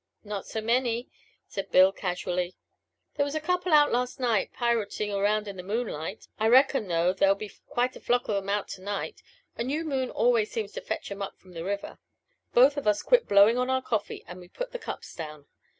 "Not so many," said Bill casually. "There was a couple out last night pirootin' round in the moonlight. I reckon, though, there'll be quite a flock of 'em out to night. A new moon always seems to fetch 'em up from the river." Both of us quit blowing on our coffee and we put the cups down.